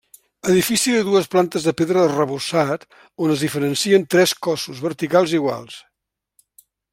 Edifici de dues plantes de pedra arrebossat on es diferencien tres cossos verticals iguals.